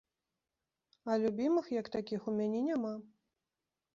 А любімых як такіх у мяне няма.